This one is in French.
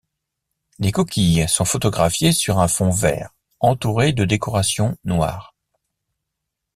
Les coquilles sont photographiés sur un fond vert entouré de décorations noires.